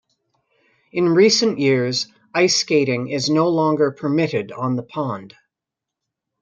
In recent years, ice skating is no longer permitted on the pond.